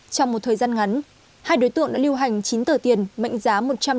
trong một thời gian ngắn hai đối tượng đã lưu hành chín tờ tiền mệnh giá